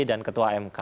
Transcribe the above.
dan ketua mk